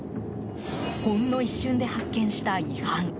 ほんの一瞬で発見した違反。